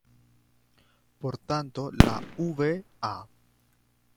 Por tanto, la v.a.